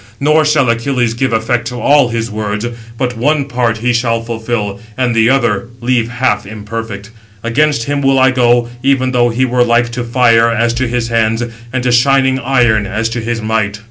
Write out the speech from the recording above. Nor shall Achilles give effect to all his words; but one part he shall fulfil, and the other leave half imperfect. Against him will I go, even though he were like to fire as to his hands; and to shining iron, as to his might."